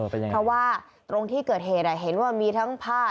เพราะว่าตรงที่เกิดเหตุเห็นว่ามีทั้งผ้า